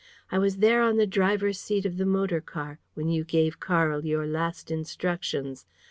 I was there, on the driver's seat of the motor car, when you gave Karl your last instructions.